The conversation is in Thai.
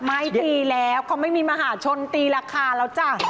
ไม่ตีแล้วเขาไม่มีมหาชนตีราคาแล้วจ้ะ